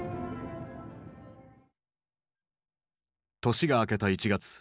年が明けた１月。